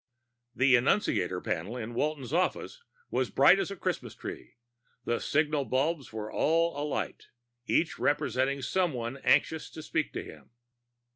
The annunciator panel in Walton's office was bright as a Christmas tree; the signal bulbs were all alight, each representing someone anxious to speak to him.